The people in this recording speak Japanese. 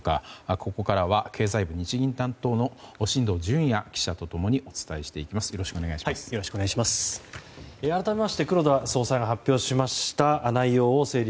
ここからは経済部日銀担当の進藤潤耶記者と共にお伝えしていきます。